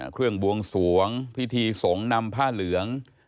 บวงสวงพิธีสงฆ์นำผ้าเหลือง